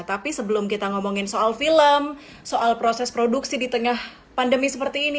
tapi sebelum kita ngomongin soal film soal proses produksi di tengah pandemi seperti ini